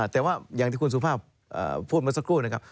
แต่ว่าอย่างที่คุณสุภาพพูดเมื่อสักครู่นะครับ